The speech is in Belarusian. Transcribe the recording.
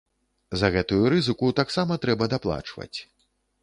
За гэтую рызыку таксама трэба даплачваць.